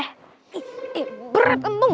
eh berat kentung